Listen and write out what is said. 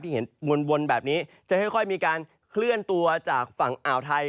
เห็นวนแบบนี้จะค่อยมีการเคลื่อนตัวจากฝั่งอ่าวไทย